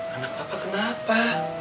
anak papa kenapa